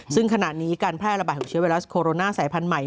ซึ่งขณะนี้การให้ระบาดต่อเสียวไวรัสโคโระน่าและสายพันธุ์ใหม่